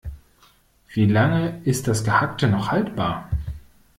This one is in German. Wie lange ist das Gehackte noch haltbar?